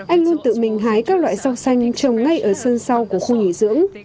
anh luôn tự mình hái các loại rau xanh trồng ngay ở sân sau của khu nghỉ dưỡng